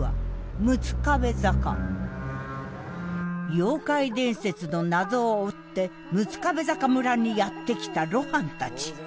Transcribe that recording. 妖怪伝説の謎を追って六壁坂村にやって来た露伴たち。